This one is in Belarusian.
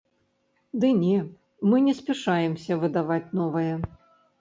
Ды не, мы не спяшаемся выдаваць новае.